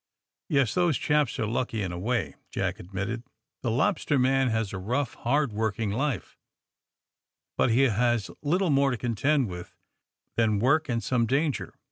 Yes; those chaps are lucky in a way,'' Jack admitted. '^ The lobster man has a rough, hard working life, but he has little more to contend with than work and some danger.